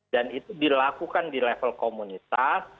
dan itu dilakukan di level komunitas